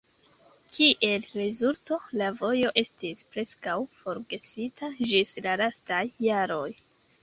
Kiel rezulto, la vojo estis preskaŭ forgesita ĝis la lastaj jaroj.